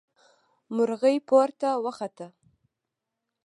مرغۍ پورته وخته.